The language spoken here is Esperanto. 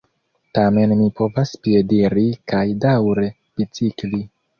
Tamen mi povas piediri kaj daŭre bicikli.